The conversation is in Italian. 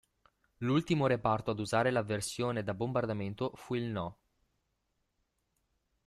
L'ultimo reparto ad usare la versione da bombardamento fu il No.